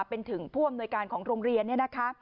เป็นถึงผู้อำนวยการของโรงเรียน